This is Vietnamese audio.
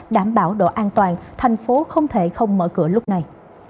đảm bảo độ an toàn thành phố không thể không mở cửa lúc này